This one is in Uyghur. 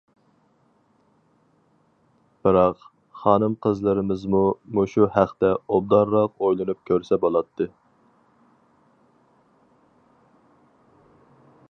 بىراق، خانىم-قىزلىرىمىزمۇ مۇشۇ ھەقتە ئوبدانراق ئويلىنىپ كۆرسە بولاتتى.